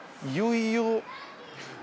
いよいよ。